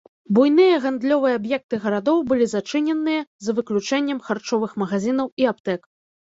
Буйныя гандлёвыя аб'екты гарадоў былі зачыненыя за выключэннем харчовых магазінаў і аптэк.